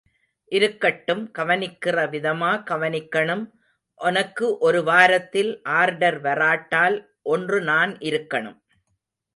இருக்கட்டும்... கவனிக்கிற விதமா கவனிக்கணும்... ஒனக்கு ஒரு வாரத்தில் ஆர்டர் வராட்டால் ஒன்று நான் இருக்கணும்.